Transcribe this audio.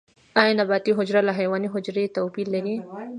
ایا نباتي حجره له حیواني حجرې توپیر لري؟